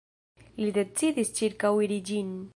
Li decidis ĉirkaŭiri ĝin.